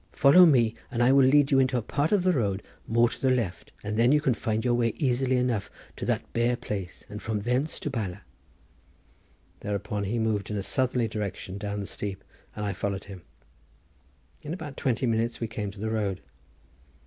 Follow me, and I will lead you into a part of the road more to the left, and then you can find your way easily enough to that bare place, and from thence to Bala." Thereupon he moved in a southerly direction down the steep and I followed him. In about twenty minutes we came to the road.